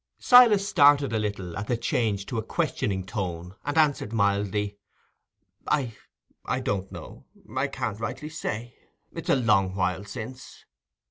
Silas started a little at the change to a questioning tone, and answered mildly, "I don't know; I can't rightly say—it's a long while since."